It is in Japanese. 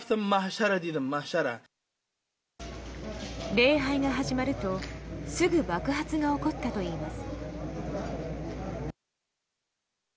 礼拝が始まるとすぐ爆発が起こったといいます。